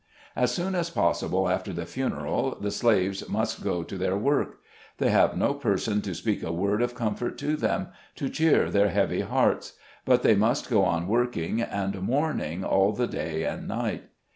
As soon as possible after the funeral, the slaves must go to their work. They have no person to speak a word of comfort to them, to cheer their heavy hearts ; but they must go on working and mourning all the day and night.